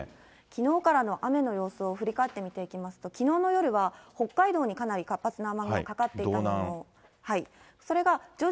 きのうからの雨の様子を振り返って見てみますと、きのうの夜は北海道にかなり活発な雨雲かかっていたんですけれど道南。